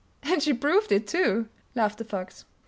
"And she proved it, too," laughed the Fox.